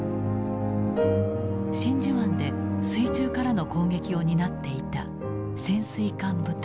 真珠湾で水中からの攻撃を担っていた潜水艦部隊。